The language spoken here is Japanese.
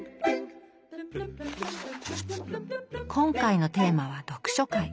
今回のテーマは読書会。